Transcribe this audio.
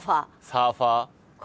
サーファー。